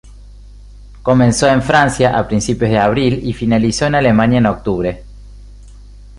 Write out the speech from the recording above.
Comenzó en Francia a principios de abril, y finalizó en Alemania en octubre.